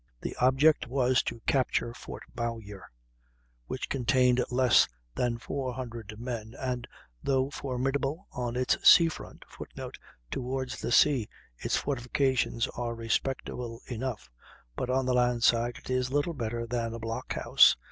The object was to capture Fort Bowyer, which contained less than four hundred men, and, though formidable on its sea front, [Footnote: "Towards the sea its fortifications are respectable enough; but on the land side it is little better than a block house.